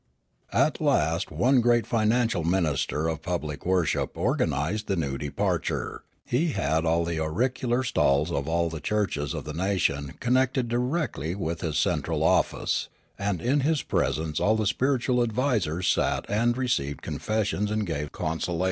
At last one great financial minister of pui>lic worship organised the new departure ; he had all the auricular stalls of all the churches of the nation connected directly with his cen tral office ; and in his presence all the spiritual advisers sat and received confessions and gave consolations.